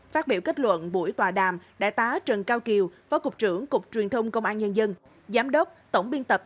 phát biểu kết luận buổi tòa đàm đại tá trần cao kiều phó cục trưởng cục truyền thông công an nhân dân giám đốc tổng biên tập